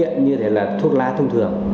và nó không nghiện như thế là thuốc lá thông thường